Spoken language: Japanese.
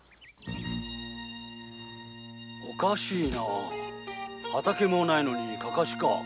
おかしいな畑もないのにかかしか？